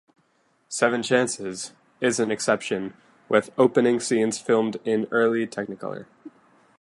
"Seven Chances" is an exception, with opening scenes filmed in early Technicolor.